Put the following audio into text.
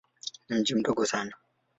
Ni mji mdogo sana.